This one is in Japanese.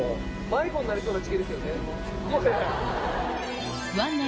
迷子になりそうな地形ですよね。